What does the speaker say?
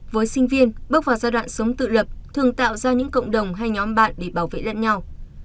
với sinh viên bước vào giai đoạn sống tự lập thường tạo ra những cộng đồng hay nhóm bạn để bảo vệ lẫn nhau